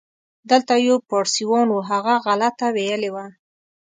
دلته یو پاړسیوان و، هغه غلطه ویلې وه.